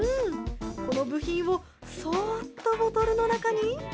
この部品をそーっとボトルの中に。